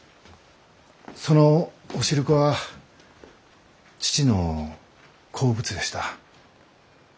そのお汁粉は父の好物でした。